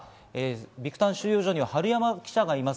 ビクタン収容所に治山記者がいます。